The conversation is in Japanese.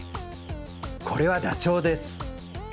これはダチョウです。